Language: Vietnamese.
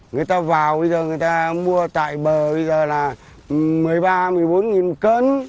người ta vào bây giờ người ta mua tại bờ bây giờ là một mươi ba một mươi bốn cơn